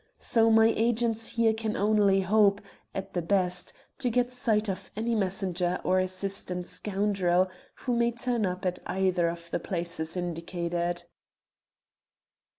So my agents here can only hope, at the best, to get sight of any messenger or assistant scoundrel who may turn up at either of the places indicated."